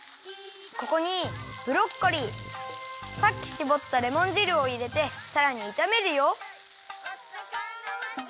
ここにブロッコリーさっきしぼったレモンじるをいれてさらにいためるよ。